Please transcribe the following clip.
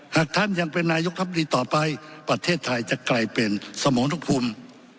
หากท่านยังเป็นนายกทัพดีต่อไปประเทศไทยจะกลายเป็นสมรนุภูมิ